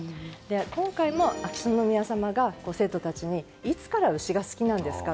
今回も、秋篠宮さまが生徒たちにいつから牛が好きなんですか？